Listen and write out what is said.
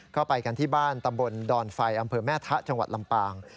ก็ไปกันที่บ้านตำบลดอนไฟอำเภอแม่ทะจังหวัดลำปาง